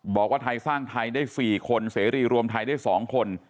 บอกว่าไทยสร้างไทยได้๔คนเสรีรวมไทยได้๒คน